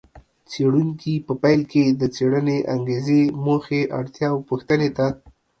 څېړونکي په پیل کې د څېړنې انګېزې، موخې، اړتیا او پوښتنې ته